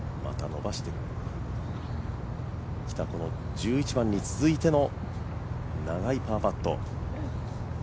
１１番に続いての長いパーパット。